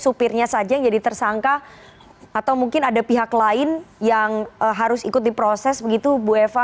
supirnya saja yang jadi tersangka atau mungkin ada pihak lain yang harus ikut diproses begitu bu eva